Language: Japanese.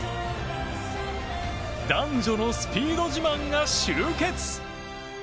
男女のスピード自慢が集結。